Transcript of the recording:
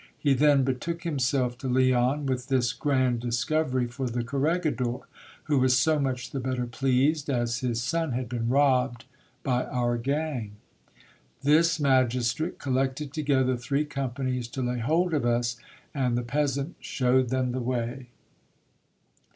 He then betook himself to Leon, with this grand discovery for the corregidor, who was so much the better pleased, as his son had been robbed by our gang. This magistrate collected together three companies to lay hold of us, and the peasant showed them the way.